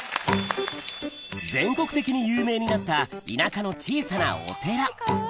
全国的に有名になった田舎の小さなお寺